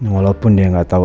walaupun dia gak tau